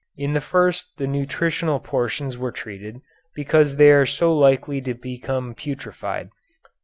In the first the nutritional portions were treated, because they are so likely to become putrefied.